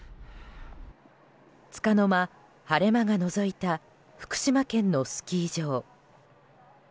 つかの間、晴れ間がのぞいた福島県のスキー場。